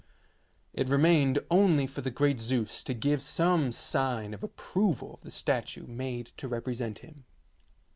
It remained only for the great Zeus to give some sign of ap proval of the statue made to represent him.